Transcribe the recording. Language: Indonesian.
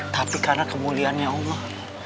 tapi karena kemuliaannya allah